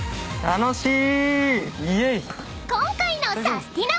楽しい！